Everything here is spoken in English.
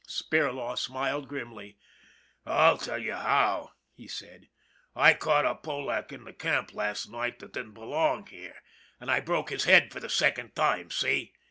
Spirlaw smiled grimly. " I'll tell you how," he said. " I caught a Polack in the camp last night that didn't belong here and I broke his head for the second time, see?